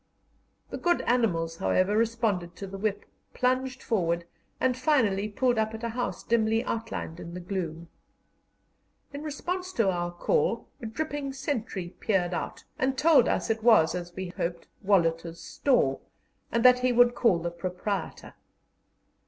The good animals, however, responded to the whip, plunged forward, and finally pulled up at a house dimly outlined in the gloom. In response to our call, a dripping sentry peered out, and told us it was, as we hoped, Wolhuter's store, and that he would call the proprietor.